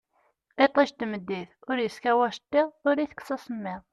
Itij n tmeddit ur iskaw acettiḍ ur itekkes asemmiḍ